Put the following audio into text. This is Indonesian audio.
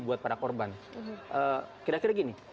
buat para korban kira kira gini